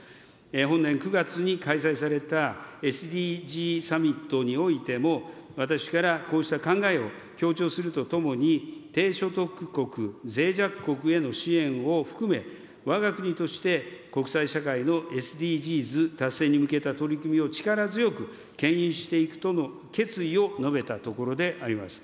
本年９月に開催されたＳＤＧサミットにおいても、私からこうした考えを強調するとともに、低所得国、ぜい弱国への支援を含め、わが国として国際社会のＳＤＧｓ達成に向けた取り組みを力強くけん引していくとの決意を述べたところであります。